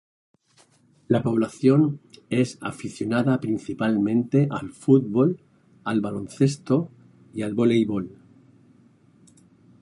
La población es aficionada principalmente al fútbol, al baloncesto y al voleibol.